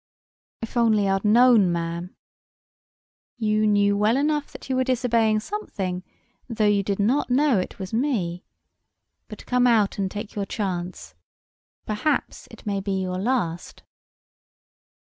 "If I'd only known, ma'am—" "You knew well enough that you were disobeying something, though you did not know it was me. But come out and take your chance. Perhaps it may be your last."